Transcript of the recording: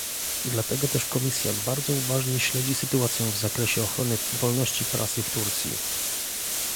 Dlatego też Komisja bardzo uważnie śledzi sytuację w zakresie ochrony wolności prasy w Turcji